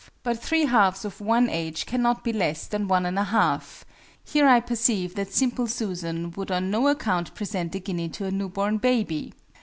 But 3 halves of one age cannot be less than 1 and a half (here I perceive that SIMPLE SUSAN would on no account present a guinea to a new born baby!)